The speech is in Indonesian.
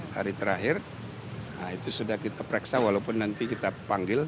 hari terakhir itu sudah kita pereksa walaupun nanti kita panggil